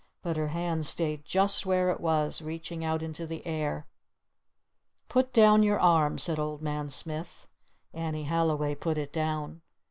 But her hand stayed just where it was, reaching out into the air. "Put down your arm!" said Old Man Smith. Annie Halliway put it down.